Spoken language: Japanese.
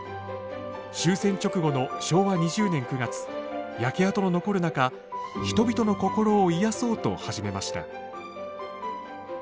終戦直後の昭和２０年９月焼け跡の残る中人々の心を癒やそうと始めました。